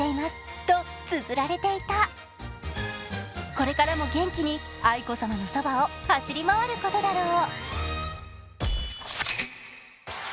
これからも元気に愛子さまのそばを走り回ることだろう。